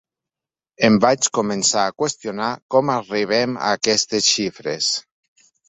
Em vaig començar a qüestionar com arribem a aquestes xifres.